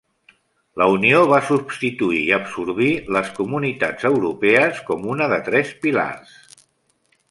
La unió va substituir i absorbir les comunitats europees com una de tres pilars.